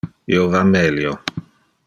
Io va melio.